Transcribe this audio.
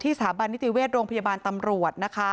ที่สถาบันนิติเวชโรงพยาบาลตำรวจ